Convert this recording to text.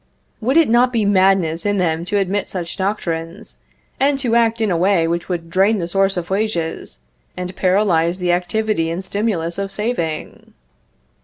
Would it not be madness in them to admit such doctrines, and to act in a way which would drain the source of wages, and paralyze the activity and stimulus of saving?